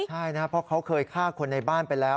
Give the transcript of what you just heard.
ใช่นะครับเพราะเขาเคยฆ่าคนในบ้านไปแล้ว